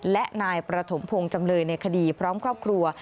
และนายประถมพงศ์จำเลยในคดีพร้อมครอบครัว